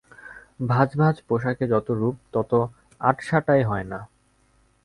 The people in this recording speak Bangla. ভাঁজ ভাঁজ পোষাকে যত রূপ, তত আঁটাসাটায় হয় না।